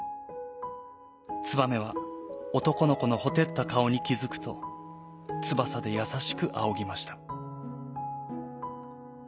ツバメはおとこのこのほてったかおにきづくとつばさでやさしくあおぎました。